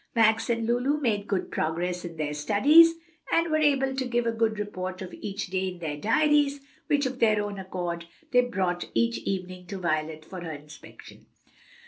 Max and Lulu made good progress in their studies, and were able to give a good report of each day in their diaries, which, of their own accord, they brought each evening to Violet for her inspection.